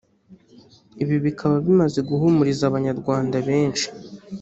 Ibi bikaba bimaze guhumuriza abanyarwanda benshi